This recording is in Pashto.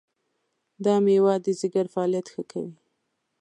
دا مېوه د ځیګر فعالیت ښه کوي.